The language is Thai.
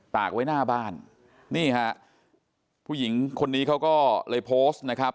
กไว้หน้าบ้านนี่ฮะผู้หญิงคนนี้เขาก็เลยโพสต์นะครับ